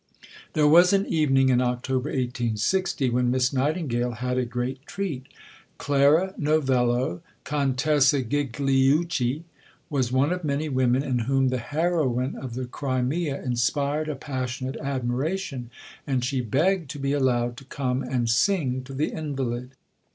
There was an evening in October 1860 when Miss Nightingale had a great treat. Clara Novello (Contessa Gigliucci) was one of many women in whom the heroine of the Crimea inspired a passionate admiration, and she begged to be allowed to come and sing to the invalid.